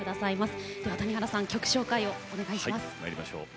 それでは谷原さん曲紹介をお願いいたします。